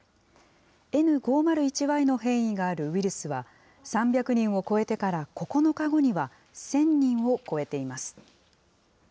Ｎ５０１Ｙの変異があるウイルスは、３００人を超えてから９日後には、１０００人を超えています。